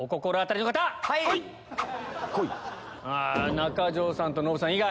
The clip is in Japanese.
中条さんとノブさん以外。